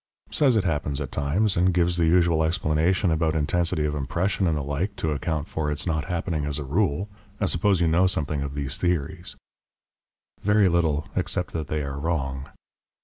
"Says it happens at times and gives the usual explanation about intensity of impression and the like to account for its not happening as a rule. I suppose you know something of these theories " "Very little except that they are wrong."